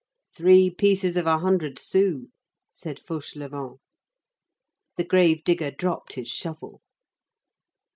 "Three pieces of a hundred sous," said Fauchelevent. The grave digger dropped his shovel.